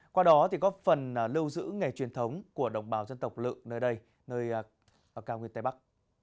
qua đó góp phần lưu giữ nghề truyền thống của đồng bào dân tộc lự nơi đây nơi cao nguyên tây bắc